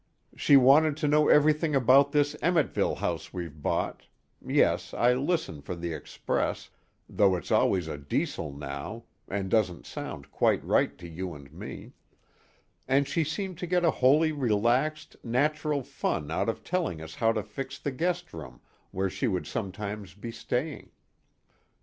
She wanted to know everything about this Emmetville house we've bought yes, I listen for The Express, though it's always a Diesel now and doesn't sound quite right to you and me and she seemed to get a wholly relaxed, natural fun out of telling us how to fix the guest room where she would sometimes be staying.